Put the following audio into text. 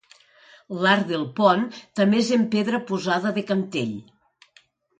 L'arc del pont també és en pedra posada de cantell.